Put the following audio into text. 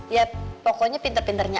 ya pokoknya pinter pinternya